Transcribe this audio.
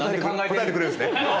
答えてくれるんですね。